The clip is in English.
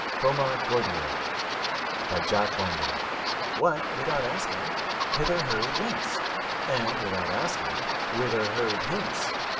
FOMA GORDYEEFF "What, without asking, hither hurried Whence? And, without asking, Whither hurried hence!